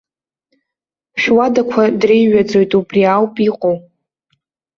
Шәуадақәа дреиҩаӡоит, убри ауп иҟоу!